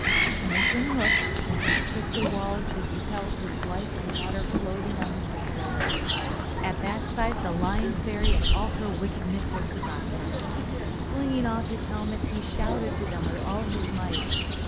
And the king looked, and through the crystal walls he beheld his wife and daughter floating on the quicksilver. At that sight the Lion Fairy and all her wickedness was forgotten. Flinging off his helmet, he shouted to them with all his might.